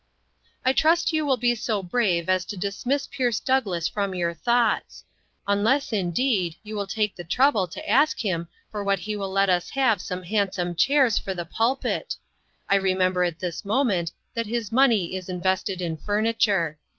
" I trust you will be so brave as to dis miss Pierce Douglass from your thoughts; unless, indeed, you take the trouble to ask him for what he will let us have some handsome chairs for the pulpit ! I remember at this moment that his money is invested in furniture.